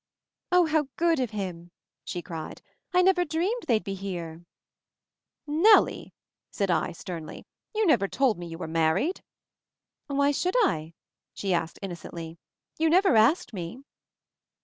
"Oh, how good of him!" she cried. "I never dreamed they'd be here !" "Nellie," said I sternly. "You never told me you were married 1" "Why should I?" she asked innocently. "You never asked me."